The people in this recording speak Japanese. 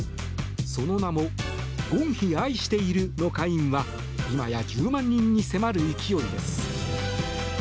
その名もゴンヒ愛しているの会員は今や１０万人に迫る勢いです。